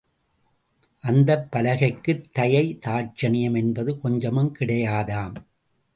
அந்தப் பலகைக்குத் தயை தாட்சண்யம் என்பது கொஞ்சமும் கிடையாதாம்.